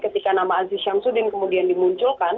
ketika nama aziz syamsuddin kemudian dimunculkan